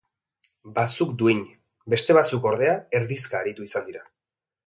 Batzuk duin, beste batzuk ordea, erdizka aritu izan dira.